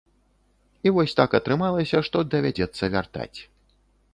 І вось так атрымалася, што давядзецца вяртаць.